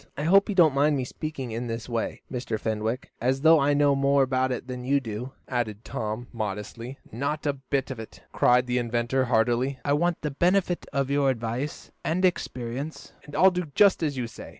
I hope you don't mind me speaking in this way, Mr. Fenwick, as though I knew more about it than you do," added Tom, modestly. "Not a bit of it!" cried the inventor heartily. "I want the benefit of your advice and experience, and I'll do just as you say.